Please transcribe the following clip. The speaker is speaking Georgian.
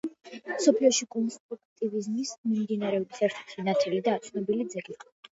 მსოფლიოში კონსტრუქტივიზმის მიმდინარეობის ერთ-ერთი ნათელი და ცნობილი ძეგლი.